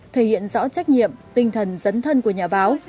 thể hiện rõ trách nhiệm tinh thần dấn thân của nhà báo